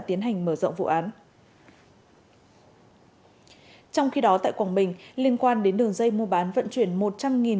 tiến hành mở rộng vụ án trong khi đó tại quảng bình liên quan đến đường dây mua bán vận chuyển